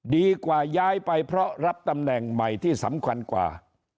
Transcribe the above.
ย้ายไปเพราะรับตำแหน่งใหม่ที่สำคัญกว่า